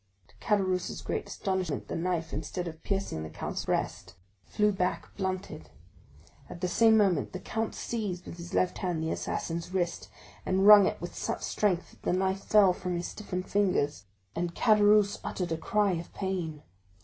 To Caderousse's great astonishment, the knife, instead of piercing the count's breast, flew back blunted. At the same moment the count seized with his left hand the assassin's wrist, and wrung it with such strength that the knife fell from his stiffened fingers, and Caderousse uttered a cry of pain.